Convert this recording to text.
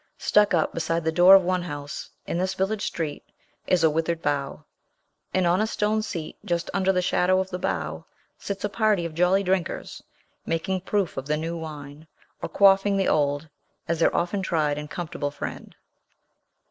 Stuck up beside the door of one house, in this village street, is a withered bough; and on a stone seat, just under the shadow of the bough, sits a party of jolly drinkers, making proof of the new wine, or quaffing the old, as their often tried and comfortable friend.